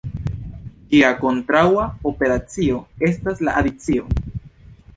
Ĝia kontraŭa operacio estas la adicio.